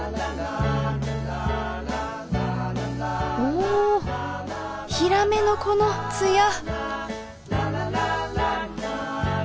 おおひらめのこのつや！